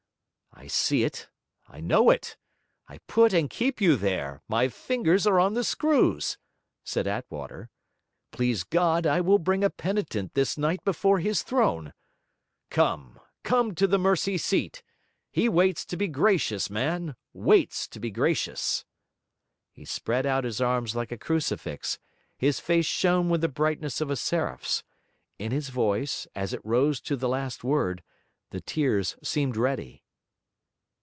'I see it, I know it, I put and keep you there, my fingers are on the screws!' said Attwater. 'Please God, I will bring a penitent this night before His throne. Come, come to the mercy seat! He waits to be gracious, man waits to be gracious!' He spread out his arms like a crucifix, his face shone with the brightness of a seraph's; in his voice, as it rose to the last word, the tears seemed ready.